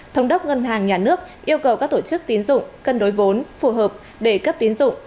thống đốc ngân hàng nhà nước yêu cầu các tổ chức tín dụng cân đối vốn phù hợp để cấp tín dụng